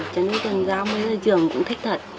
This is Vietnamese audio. chẳng như cần giáo mới ra trường cũng thích thật